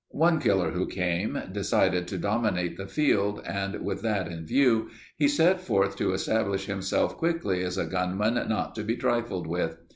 One killer who came decided to dominate the field and with that in view he set forth to establish himself quickly as a gunman not to be trifled with.